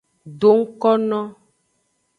Do ngkono.